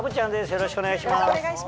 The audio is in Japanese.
よろしくお願いします。